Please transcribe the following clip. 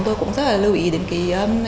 tổng giá trị huy động vốn